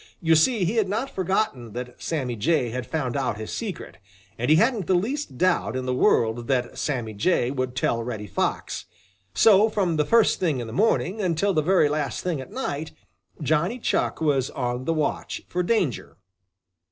You see he had not forgotten that Sammy Jay had found out his secret, and he hadn't the least doubt in the world that Sammy Jay would tell Reddy Fox. So, from the first thing in the morning until the very last thing at night, Johnny Chuck was on the watch for danger.